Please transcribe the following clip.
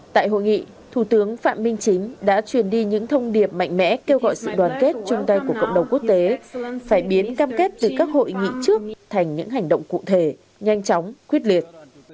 tại hội nghị thủ tướng phạm minh chính đã truyền đi những thông điệp mạnh mẽ kêu gọi sự đoàn kết chung tay của cộng đồng quốc tế phải biến cam kết từ các hội nghị trước thành những hành động cụ thể nhanh chóng quyết liệt